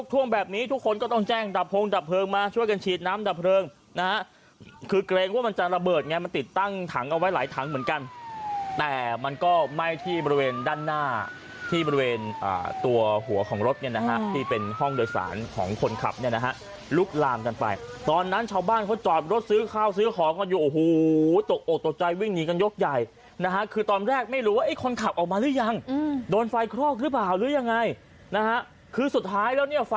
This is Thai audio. ท่วงแบบนี้ทุกคนก็ต้องแจ้งดับโพงดับเพลิงมาช่วยกันฉีดน้ำดับเพลิงนะฮะคือเกรงว่ามันจะระเบิดไงมันติดตั้งถังเอาไว้ไหลถังเหมือนกันแต่มันก็ไม่ที่บริเวณด้านหน้าที่บริเวณตัวหัวของรถเนี่ยนะฮะที่เป็นห้องโดยสารของคนขับเนี่ยนะฮะลุกลามกันไปตอนนั้นชาวบ้านเขาจอดรถซื้อข้าวซ